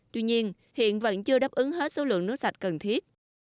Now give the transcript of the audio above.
tuy nhiên hiện vẫn chưa đáp ứng hết số lượng nước sạch cần thiết